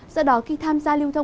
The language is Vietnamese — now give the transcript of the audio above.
do đó khi tham gia lưu thông